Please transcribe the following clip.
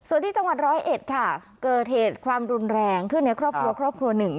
ส่วนที่จังหวัดร้อยเอ็ดค่ะเกิดเหตุความรุนแรงขึ้นในครอบครัวครอบครัวหนึ่ง